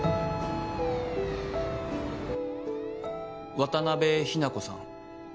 渡辺日奈子さん。